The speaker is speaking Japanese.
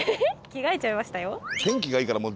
着替えちゃいましたよ。